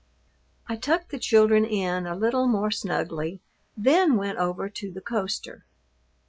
I tucked the children in a little more snugly, then went over to the coaster.